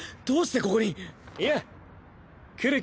どうしてここに？やあ。